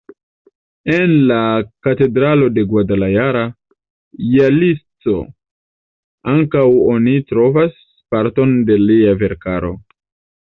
En la katedralo de Guadalajara, Jalisco, ankaŭ oni trovas parton de lia verkaro.